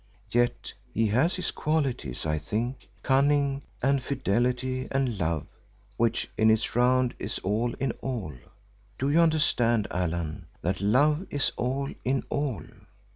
Yet he has qualities, I think; cunning, and fidelity and love which in its round is all in all. Do you understand, Allan, that love is all in all?"